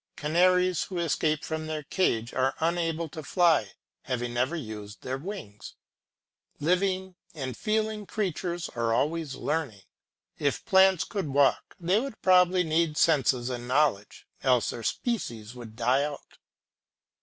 Canaries who escape from their cage are unable to fly, having never used their wings. Living and feeling creatures are always learning. If plants could walk they would need senses and knowledge, else their species would die out.